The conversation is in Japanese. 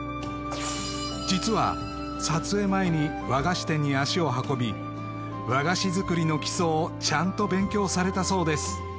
実は撮影前に和菓子店に足を運び和菓子作りの基礎をちゃんと勉強されたそうです